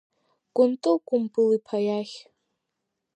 Кәынтыл Кәымпыл-иԥа иахь.